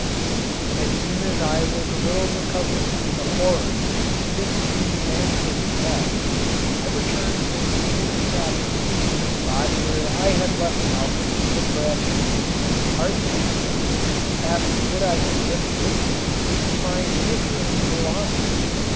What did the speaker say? As soon as I was a little recovered from the horror which this scene naturally caused, I returned with the old trapper to the spot where I had left Malcolm and Bradshaw, hardly expecting, after what I had just witnessed, to find either of them alive.